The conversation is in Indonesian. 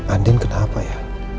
andin kenapa ya